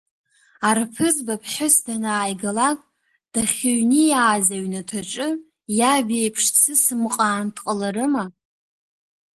Арԥызба ԥҳәыс данааигалак, дахьыҩниааз аҩнаҭаҿы иаб иеиԥш дсысмҟаан дҟаларыма?